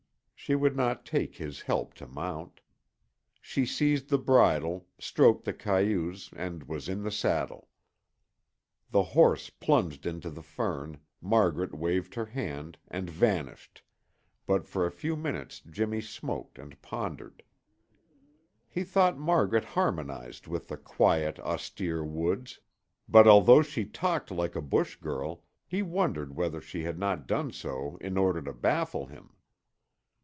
She would not take his help to mount. She seized the bridle, stroked the cayuse, and was in the saddle. The horse plunged into the fern, Margaret waved her hand and vanished, but for a few minutes Jimmy smoked and pondered. He thought Margaret harmonized with the quiet, austere woods, but although she talked like a bush girl, he wondered whether she had not done so in order to baffle him.